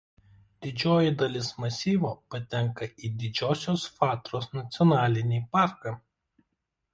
Didžioji dalis masyvo patenka į Didžiosios Fatros nacionalinį parką.